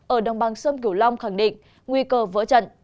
ở đồng bằng sơn kiểu long khẳng định nguy cơ vỡ trận